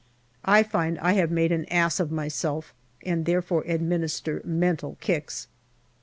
I find I have made an ass of myself, and therefore administer mental kicks.